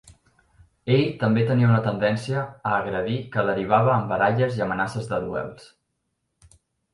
Ell també tenia una tendència a agredir que derivava en baralles i amenaces de duels.